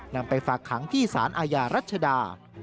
ไปฝากขังที่สารอาญารัชดา